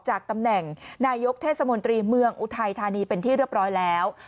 จากตำแหน่งนายกเทศมนตรีเมืองอุทัยธานีเป็นที่เรียบร้อยแล้ว